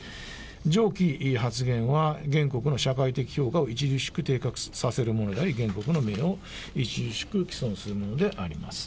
上記発言は、原告の社会的評価を著しく低下させるものであり、原告の名誉を著しく毀損するものであります。